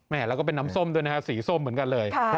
แล้วก็เป็นน้ำส้มด้วยนะฮะสีส้มเหมือนกันเลย